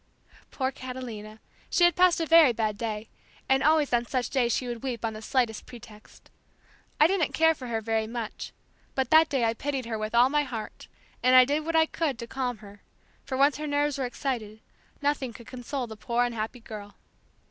Poor Catalina! She had passed a very bad day, and always on such days she would weep on the slightest pretext. I didn't care for her very much, but that day I pitied her with all my heart and I did what I could to calm her; for once her nerves were excited, nothing could console the poor unhappy girl.